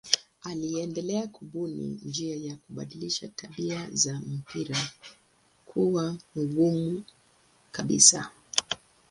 Aliendelea kubuni njia ya kubadilisha tabia za mpira kuwa mgumu kabisa.